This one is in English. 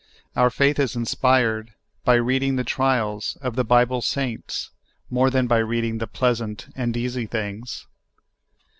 Our faith is inspired by reading the trials of the Bible saints more than by reading the pleasant and easy things.